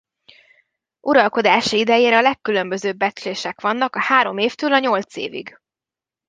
Uralkodási idejére a legkülönbözőbb becslések vannak a három évtől a nyolc évig.